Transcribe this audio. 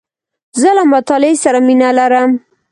زه له مطالعې سره مینه لرم .